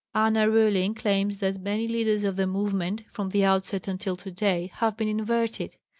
Anna Rüling claims that many leaders of the movement, from the outset until today, have been inverted.